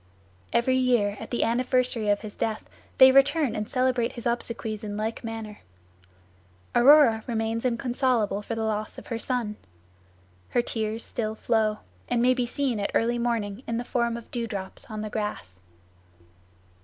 Every year at the anniversary of his death they return and celebrate his obsequies in like manner. Aurora remains inconsolable for the loss of her son. Her tears still flow, and may be seen at early morning in the form of dew drops on the grass.